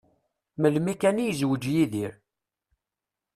Melmi kan i yezweǧ Yidir.